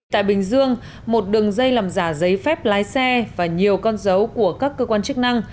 tại bình dương một đường dây làm giả giấy phép lái xe và nhiều con dấu của các cơ quan chức năng